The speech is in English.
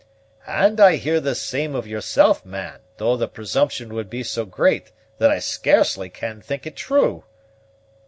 "And I hear the same of yourself, man, though the presumption would be so great that I scarcely can think it true."